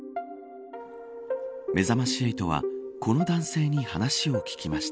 めざまし８はこの男性に話を聞きました。